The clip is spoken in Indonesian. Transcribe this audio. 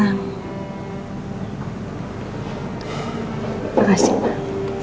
terima kasih mbak